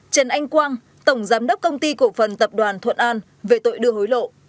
trần anh quang tổng giám đốc công ty cổ phần tập đoàn thuận an về tội đưa hối lộ